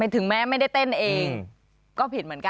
ถึงแม้ไม่ได้เต้นเองก็ผิดเหมือนกัน